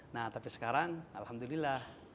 nah tapi sekarang alhamdulillah